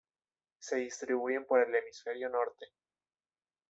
Se distribuyen por el hemisferio norte.